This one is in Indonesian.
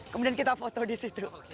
kemudian kita foto di situ